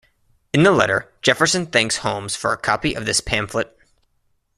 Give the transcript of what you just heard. In the letter, Jefferson thanks Holmes for a copy of this pamphlet.